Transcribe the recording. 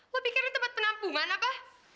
lo pikirnya tempat penampungan apa